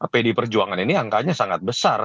pdi perjuangan ini angkanya sangat besar